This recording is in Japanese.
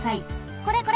これこれ！